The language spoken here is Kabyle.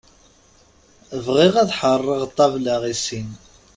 Bɣiɣ ad ḥerreɣ ṭabla i sin.